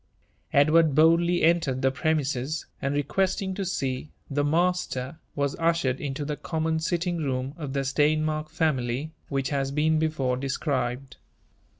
Edward boldly entered the premises, and requesting to see *f the master," was ushered into the common sitting room of the Steinmark family, which has been before described.